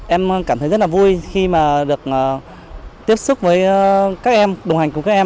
em cảm thấy rất là vui khi mà được tiếp xúc với các em đồng hành cùng các em